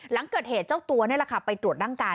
หลังเกิดเหตุเจ้าตัวนี่แหละค่ะไปตรวจร่างกาย